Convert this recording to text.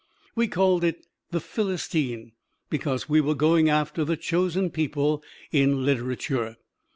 We called it "The Philistine" because we were going after the "Chosen People" in literature.